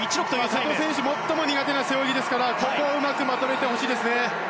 瀬戸選手最も苦手な背泳ぎですからここをうまくまとめてほしいですね。